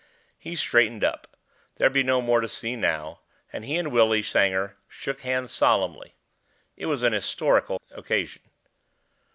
He straightened up there'd be no more to see now and he and Willie Sanger shook hands solemnly. It was an historical occasion.